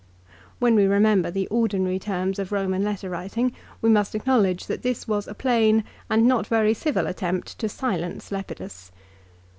1 When we remember the ordinary terms of Eoman letter writing we must acknowledge that this was a plain and not very civil attempt to silence Lepidus.